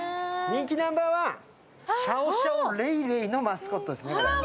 人気ナンバー１、シャオシャオ、レイレイのマスコットですね。